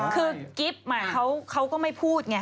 คือกิ๊บเขาก็ไม่พูดไง